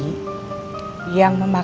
aduh awas semua empat